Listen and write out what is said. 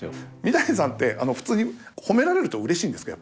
三谷さんってあの普通に褒められるとうれしいんですか？